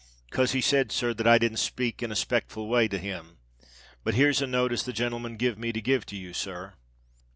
"'Cos he said, sir, that I didn't speak in a speckful way to him. But here's a note as the genelman give me to give to you, sir."